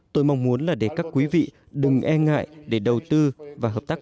tôi mong muốn là để các quý vị đừng e ngại để đầu tư và hợp tác